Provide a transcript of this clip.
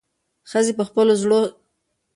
ښځې په خپلو زړو جامو کې د غریبۍ نښې لرلې.